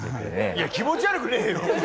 いや気持ち悪くねえよ！